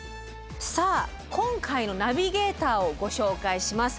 さあ今回のナビゲーターをご紹介します。